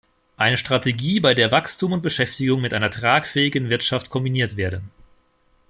Eine Strategie, bei der Wachstum und Beschäftigung mit einer trägfähigen Wirtschaft kombiniert werden.